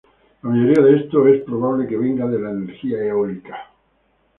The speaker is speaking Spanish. La mayoría de esto es probable que venga de la energía eólica.